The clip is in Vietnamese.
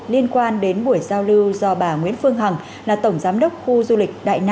liên quan đến buổi giao lưu do bà nguyễn phương học